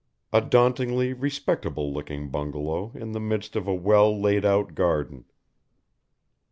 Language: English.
A dauntingly respectable looking bungalow in the midst of a well laid out garden.